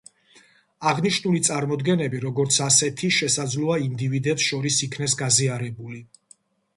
აღნიშნული წარმოდგენები, როგორც ასეთი, შესაძლოა ინდივიდებს შორის იქნეს გაზიარებული.